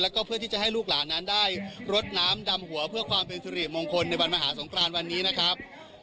แล้วก็เพื่อที่จะให้ลูกหลานนั้นได้รดน้ำดำหัวเพื่อความเป็นสุริมงคลในวันมหาสงครานวันนี้นะครับ